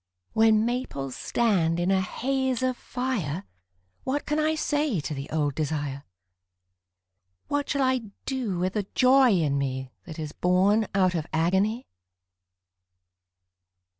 When maples stand in a haze of fire What can I say to the old desire, What shall I do with the joy in me That is born out of agony?